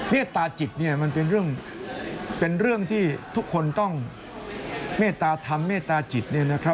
เมตตาจิตมันเป็นเรื่องที่ทุกคนต้องเมตตาธรรมเมตตาจิต